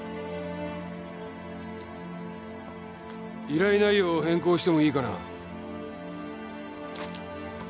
依頼内容を変更してもいいかな？